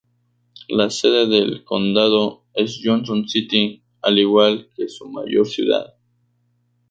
La sede del condado es Johnson City, al igual que su mayor ciudad.